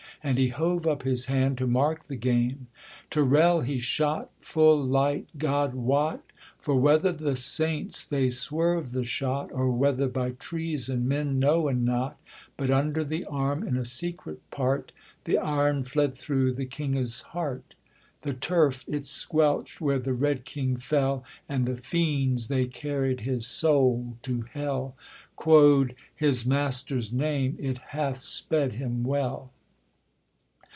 And he hove up his hand to mark the game. Tyrrel he shot full light, God wot; For whether the saints they swerved the shot, 'Or whether by treason, men knowen not, But under the arm, in a secret part, The iron fled through the kinges heart. The turf it squelched where the Red King fell; And the fiends they carried his soul to hell, Quod 'His master's name it hath sped him well.'